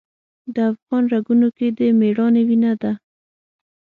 د افغان رګونو کې د میړانې وینه ده.